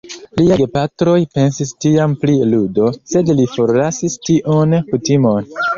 Lia gepatroj pensis tiam pri ludo, sed li forlasis tiun kutimon.